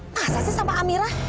masa sih sama amira